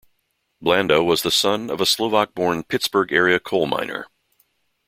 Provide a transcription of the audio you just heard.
Blanda was the son of a Slovak-born Pittsburgh-area coal miner.